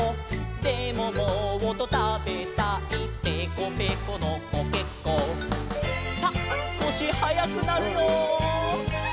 「でももっとたべたいぺこぺこのコケッコー」さあすこしはやくなるよ。